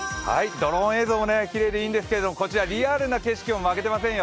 ドローン映像もきれいでいいんですけど、こちらリアルな景色も負けてませんよ。